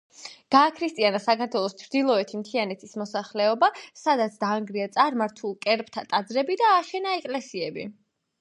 გააქრისტიანა საქართველოს ჩრდილოეთი მთიანეთის მოსახლეობა, სადაც დაანგრია წარმართულ კერპთა ტაძრები და ააშენა ეკლესიები.